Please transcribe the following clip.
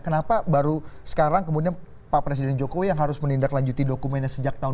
kenapa baru sekarang kemudian pak presiden jokowi yang harus menindaklanjuti dokumennya sejak tahun dua ribu